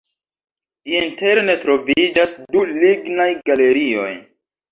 Interne troviĝas du lignaj galerioj.